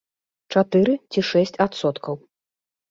Чатыры ці шэсць адсоткаў.